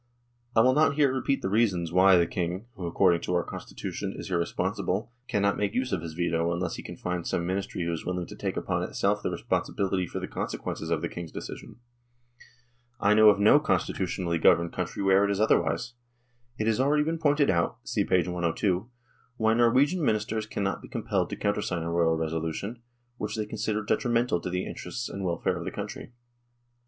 I will not here repeat the reasons why the King, who, according to our Constitution, is irresponsible, cannot make use of his veto unless he can find some Ministry who is willing to take upon itself the responsibility for the consequences of the King's decision. I know of no constitutionally governed THE DISSOLUTION OF THE UNION 105 country where it is otherwise. It has already been pointed out (see p. 102) why Norwegian Ministers cannot be compelled to countersign a Royal resolu tion, which they consider detrimental to the interests and welfare of the country.